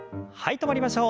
止まりましょう。